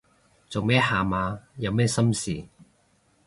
做咩喊啊？有咩心事